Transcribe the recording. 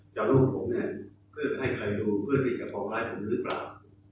ข้าระบากผมเพื่อให้ใครรู้เพื่อที่จะพอดีหรือเปล่า